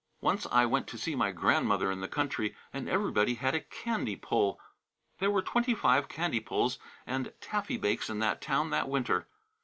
Once I went to see my grandmother in the country, and everybody had a candy pull; there were twenty five candy pulls and taffy bakes in that town that winter.